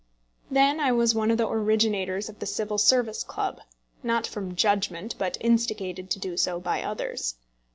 Then I was one of the originators of the Civil Service Club not from judgment, but instigated to do so by others.